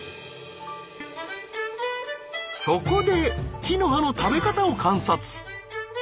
そこで木の葉の食べ方を観察。